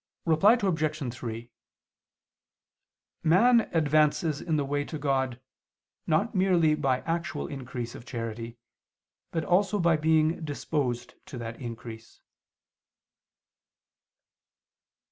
Reply Obj. 3: Man advances in the way to God, not merely by actual increase of charity, but also by being disposed to that increase.